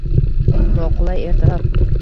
Noqulay ertalab